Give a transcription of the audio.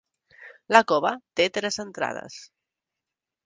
La cova té tres entrades.